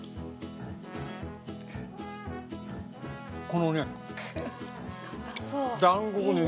このね。